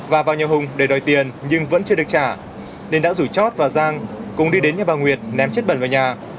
và vào nhà hùng để đòi tiền nhưng vẫn chưa được trả nên đã rủ chót và giang cùng đi đến nhà bà nguyệt ném chất bẩn vào nhà